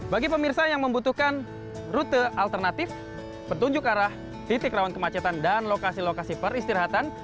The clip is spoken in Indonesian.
bagi pemirsa yang membutuhkan rute alternatif petunjuk arah titik rawan kemacetan dan lokasi lokasi peristirahatan